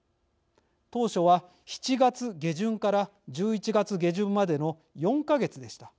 当初は７月下旬から１１月下旬までの４か月でした。